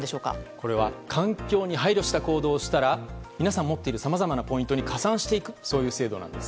これは環境に配慮した行動をしたら皆さんが持っているさまざまなポイントに加算していくというそういう制度なんです。